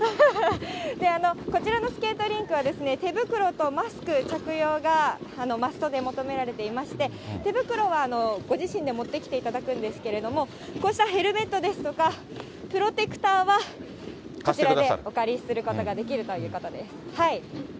こちらのスケートリンクは、手袋とマスク着用がマストで求められていまして、手袋はご自身で持ってきていただくんですけれども、こうしたヘルメットですとか、プロテクターはこちらでお借りすることができるということです。